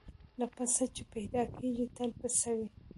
له پسه چي پیدا کیږي تل پسه وي